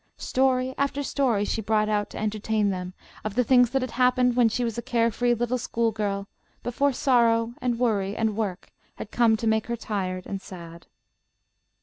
Story after story she brought out to entertain them, of the things that had happened when she was a care free little schoolgirl, before sorrow and worry and work had come to make her tired and sad.